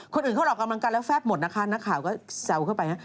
คนอื่นเขาออกกำลังกายแล้วแฟบหมดนะคะนักข่าวก็แซวเข้าไปนะ